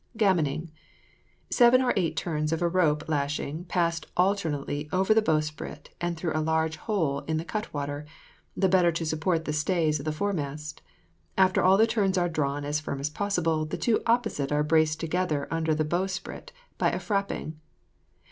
GAMMONING. Seven or eight turns of a rope lashing passed alternately over the bowsprit and through a large hole in the cut water, the better to support the stays of the fore mast; after all the turns are drawn as firm as possible, the two opposite are braced together under the bowsprit by a frapping.